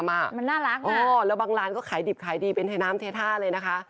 มันน่ารักแล้วบางร้านก็ขายดิบขายดีเป็นเทน้ำเทท่าเลยนะคะ